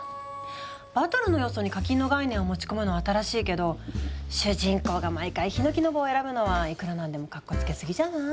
バトルの要素に課金の概念を持ち込むのは新しいけど主人公が毎回ひのきの棒を選ぶのはいくら何でもかっこつけすぎじゃない？